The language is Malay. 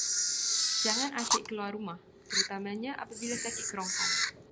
Jangan asyik keluar rumah, terutamanya apabila sakit kerongkong.